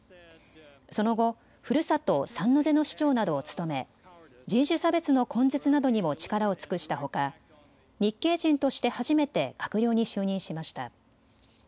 その後、ふるさとサンノゼの市長などを務め人種差別の根絶などにも力を尽くしたほか日系人として初めて閣僚に就任しました。